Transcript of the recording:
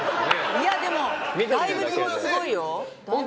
でも、大仏もすごいよ。